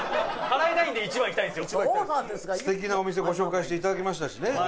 素敵なお店ご紹介していただきましたしね。